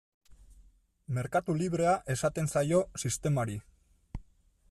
Merkatu librea esaten zaio sistemari.